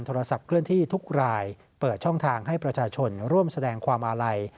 โทรศัพท์เคลื่อนที่ทุกรายเปิดช่องทางให้ประชาชนร่วมแสดงความอาลัย